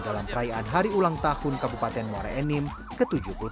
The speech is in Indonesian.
dalam perayaan hari ulang tahun kabupaten muara enim ke tujuh puluh tiga